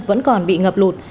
vẫn còn bị ngập lụt